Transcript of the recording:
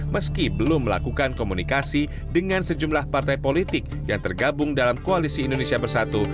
meski belum melakukan komunikasi dengan sejumlah partai politik yang tergabung dalam koalisi indonesia bersatu